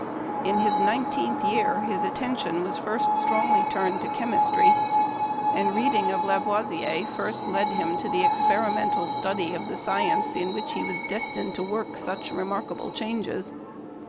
In his nineteenth year his attention was first strongly turned to chemistry ; and reading of Lavoisier " first led him to the experimental study of the science in which he was destined to work such remarkable changes."